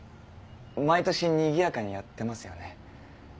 毎年にぎやかにやってますよね。